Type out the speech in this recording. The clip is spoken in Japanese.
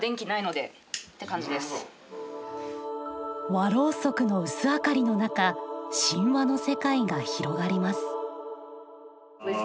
和ろうそくの薄明かりの中神話の世界が広がります。